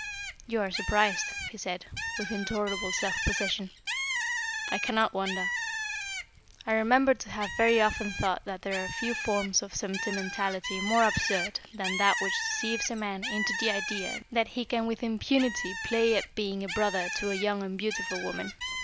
"You are surprised," he said, with intolerable self possession. "I cannot wonder. I remember to have very often thought that there are few forms of sentimentality more absurd than that which deceives a man into the idea that he can with impunity play at being a brother to a young and beautiful woman.